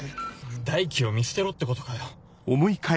大樹を見捨てろってことかよ。